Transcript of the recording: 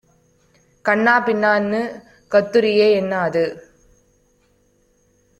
கன்னா பின்னாஇண்ணு கத்துறியே என்னாது?